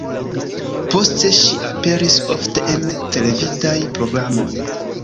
Poste ŝi aperis ofte en televidaj programoj.